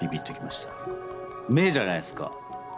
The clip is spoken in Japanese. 目じゃないですか。